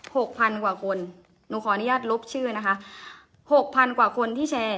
หกพันกว่าคนหนูขออนุญาตลบชื่อนะคะหกพันกว่าคนที่แชร์